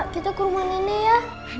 kita ke rumah nene ya